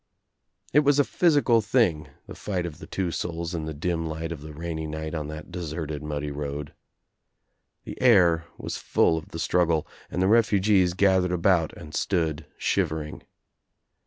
It was a physical thing, the fight of the two souls In the dim light of the rainy » night on that deserted muddy road. The air was full of the struggle and the refugees gathered about and stood shivering.